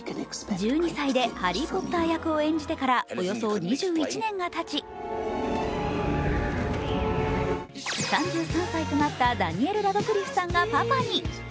１２歳でハリー・ポッター役を演じてからおよそ２１年がたち３３歳となったダニエル・ラドクリフさんがパパに。